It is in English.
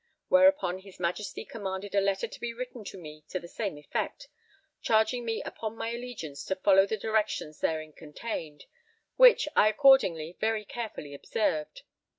Whereupon his Majesty commanded a letter to be written to me to the same effect, charging me upon my allegiance to follow the directions therein contained, which I accordingly very carefully observed.